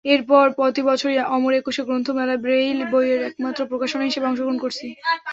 এরপর প্রতিবছরই অমর একুশে গ্রন্থমেলায় ব্রেইল বইয়ের একমাত্র প্রকাশনা হিসেবে অংশগ্রহণ করছি।